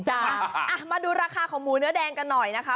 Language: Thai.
มาดูราคาของหมูเนื้อแดงกันหน่อยนะคะ